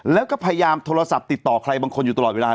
แล้วก็พยายามโทรศัพท์ติดต่อใครบางคนอยู่ตลอดเวลา